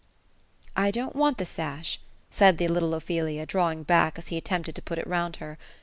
'' I don*t want the sash ;" said the little Ophelia, drawing back, as he attempted to put it round her.